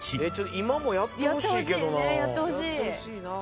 今もやってほしいけどな。